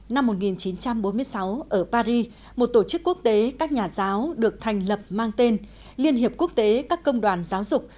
năm một nghìn chín trăm bốn mươi sáu ở paris một tổ chức quốc tế các nhà giáo được thành lập mang tên liên hiệp quốc tế các công đoàn giáo dục